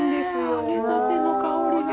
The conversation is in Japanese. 揚げたての香りが。